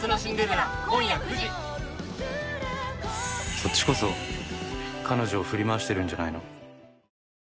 「そっちこそ彼女を振り回してるんじゃないの？」